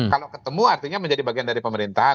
kalau ketemu artinya menjadi bagian dari pemerintahan